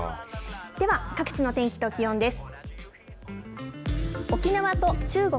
では、各地の天気と気温です。